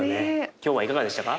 今日はいかがでしたか？